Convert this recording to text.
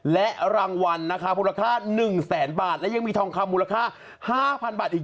และรางวัลนะคะมูลค่า๑แสนบาทและยังมีทองคำมูลค่า๕๐๐๐บาทอีก